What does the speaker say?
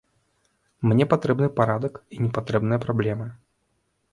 Мне патрэбны парадак і не патрэбныя праблемы.